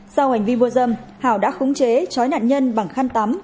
sau hành vi mua dâm hảo đã khống chế chói nạn nhân bằng khăn tắm